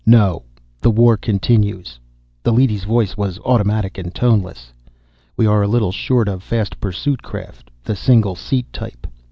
"No. The war continues." The leady's voice was automatic and toneless. "We are a little short of fast pursuit craft, the single seat type.